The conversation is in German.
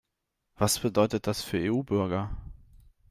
Was bedeutet das für EU-Bürger?